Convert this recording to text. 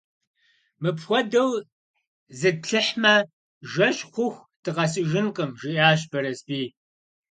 – Мыпхуэдэу зытплъыхьмэ, жэщ хъуху дыкъэсыжынкъым, – жиӀащ Бэрэсбий.